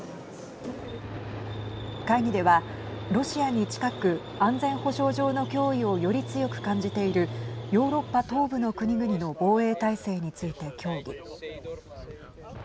会議ではロシアに近く安全保障上の脅威をより強く感じているヨーロッパ東部の国々の防衛態勢について協議。